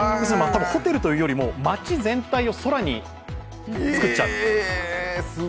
ホテルというよりも街全体を空に造っちゃう。